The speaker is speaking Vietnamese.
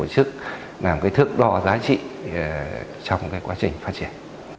chức làm cái thức đo giá trị trong quá trình phát triển